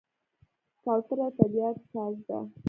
کوتره د طبیعت ساز ده.